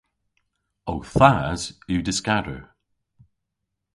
Ow thas yw dyskador.